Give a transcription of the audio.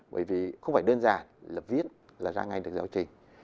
bởi vì không phải đơn giản là viết là ra ngành được giáo trình